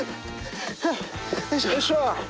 よいしょ。